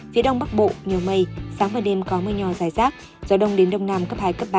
phía đông bắc bộ nhiều mây sáng và đêm có mưa nhò rải rác gió đông đến đông nam cấp hai ba